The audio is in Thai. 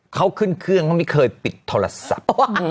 เขาขึ้นเครื่องเขาไม่เคยปิดโทรศัพท์